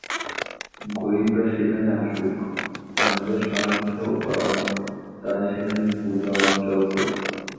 গরীবরা সেখানে আসুক, তাদের সাহায্যও করা হোক, তারা সেখানে পূজা-অর্চাও করুক।